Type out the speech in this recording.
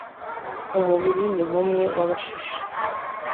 umubiri ni nk'umwe w'abashishe